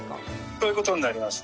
そういう事になります。